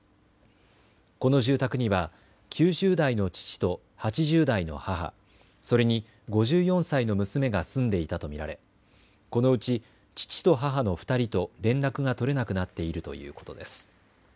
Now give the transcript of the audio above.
この住宅には９０代の父と８０代の母、それに５４歳の娘が住んでいたと見られこのうち父と母の２人と連絡が取れなくなっているということです。